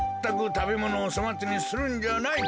たべものをそまつにするんじゃない。